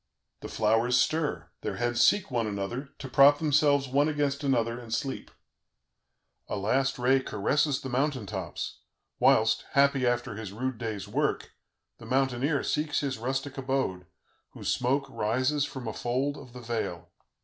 The flowers stir, their heads seek one another, to prop themselves one against another and sleep. A last ray caresses the mountain tops, whilst, happy after his rude day's work, the mountaineer seeks his rustic abode, whose smoke rises from a fold of the vale.